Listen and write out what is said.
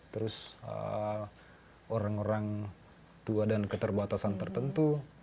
terus orang orang tua dan keterbatasan tertentu